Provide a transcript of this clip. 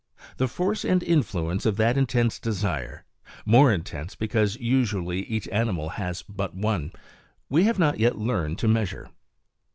The force and influence of that intense desire more intense because usually each animal has but one we have not yet learned to measure.